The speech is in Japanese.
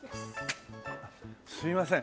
すいません。